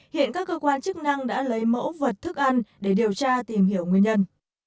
hiện các cơ quan chức năng đã lấy mẫu vật thức ăn để điều tra tìm hiểu nguyên nhân